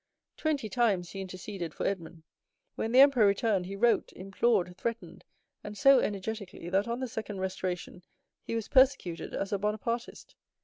Twenty times he interceded for Edmond. When the emperor returned, he wrote, implored, threatened, and so energetically, that on the second restoration he was persecuted as a Bonapartist.